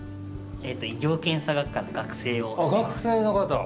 医療検査学科の学生の方。